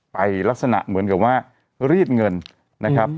ลักษณะเหมือนกับว่ารีดเงินนะครับ